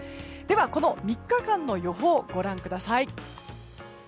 この３日間の予報をご覧ください。